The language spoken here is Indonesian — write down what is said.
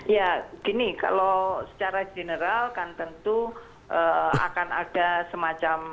ya gini kalau secara general kan tentu akan ada semacam